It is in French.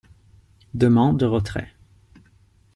Demande de retrait.